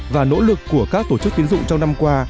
và nỗ lực của các tổ chức tiến dụng trong năm qua